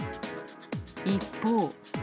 一方。